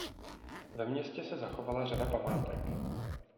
Ve městě se zachovala řada památek.